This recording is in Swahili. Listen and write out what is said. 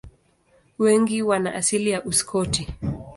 Wengi wana asili ya Uskoti.